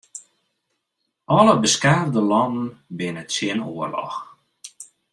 Alle beskaafde lannen binne tsjin oarloch.